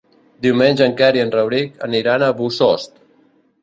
Diumenge en Quer i en Rauric aniran a Bossòst.